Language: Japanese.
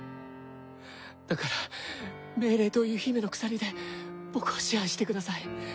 だから命令という姫の鎖で僕を支配してください。